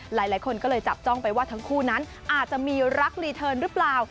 หลายคนก็เลยจับจ้องไปว่าทั้งคู่นั้นอาจจะมีรักรีเทิร์นหรือเปล่า